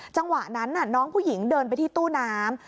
จังหวะนั้นน้องผู้หญิงเดินไปที่ตู้น้ำ